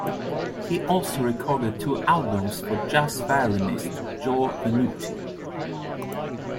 He also recorded two albums for jazz violinist Joe Venuti.